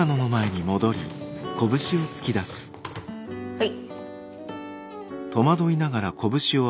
はい。